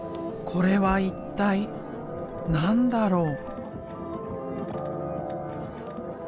これは一体何だろう？